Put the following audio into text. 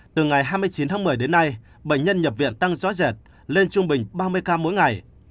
từ ngày hai mươi chín tháng một mươi đến nay bệnh nhân nhập viện tăng rõ rệt lên trung bình ba mươi ca mỗi ngày